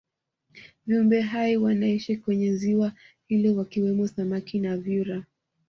viumbe hai wanaishi kwenye ziwa hilo wakimwemo samaki na vyura